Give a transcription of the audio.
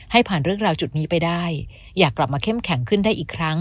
ให้ผ่านเรื่องราวจุดนี้ไปได้อยากกลับมาเข้มแข็งขึ้นได้อีกครั้ง